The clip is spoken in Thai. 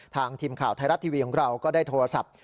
ทีมข่าวไทยรัฐทีวีของเราก็ได้โทรศัพท์